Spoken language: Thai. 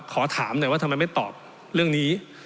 ขอถามหน่อยว่าทำไมไม่ตอบเรื่องนี้